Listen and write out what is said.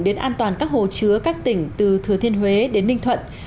đến an toàn các hồ chứa các tỉnh từ thừa thiên huế đến ninh thuận